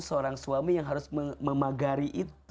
seorang suami yang harus memagari itu